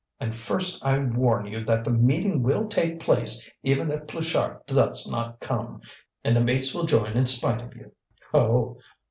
And first I warn you that the meeting will take place even if Pluchart does not come, and the mates will join in spite of you." "Oh!